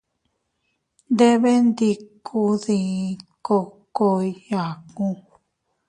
Nndeeebee nndikunn dii kookoy yaaku.